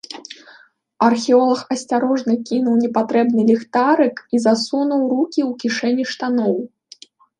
Археолаг асцярожна кінуў непатрэбны ліхтарык і засунуў рукі ў кішэні штаноў.